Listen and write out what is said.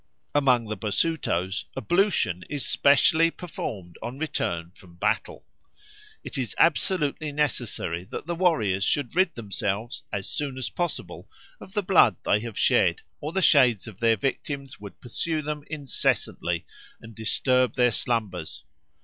Among the Basutos "ablution is specially performed on return from battle. It is absolutely necessary that the warriors should rid themselves, as soon as possible, of the blood they have shed, or the shades of their victims would pursue them incessantly, and disturb their slumbers.